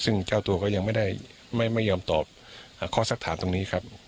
ซึ่งเจ้าตัวก็ยังไม่ได้ไม่ยอมตอบข้อสักถามตรงนี้ครับ